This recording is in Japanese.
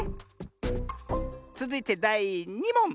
つづいてだい２もん！